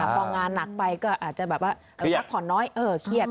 พองานหนักไปก็อาจจะแบบว่าพักผ่อนน้อยเครียด